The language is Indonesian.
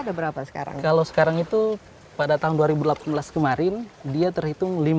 ada berapa sekarang kalau sekarang itu pada tahun dua ribu delapan belas kemarin dia terhitung lima puluh